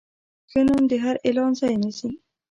ښه نوم د هر اعلان ځای نیسي.